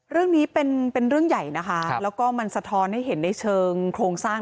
เรื่องนี้เป็นเรื่องใหญ่นะคะแล้วก็มันสะท้อนให้เห็นในเชิงโครงสร้าง